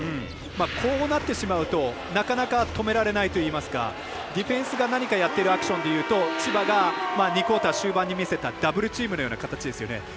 こうなってしまうと、なかなか止められないといいますかディフェンスが何かやっているアクションでいうと千葉が２クオーター終盤に見せたダブルチームのような形ですよね。